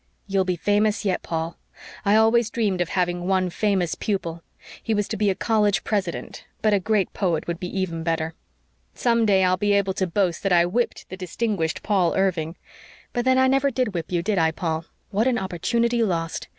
"You'll be famous yet, Paul. I always dreamed of having one famous pupil. He was to be a college president but a great poet would be even better. Some day I'll be able to boast that I whipped the distinguished Paul Irving. But then I never did whip you, did I, Paul? What an opportunity lost!